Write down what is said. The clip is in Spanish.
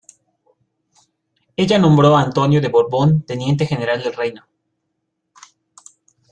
Ella nombró a Antonio de Borbón Teniente General del Reino.